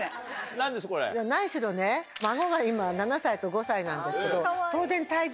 何しろね孫が今７歳と５歳なんですけど当然。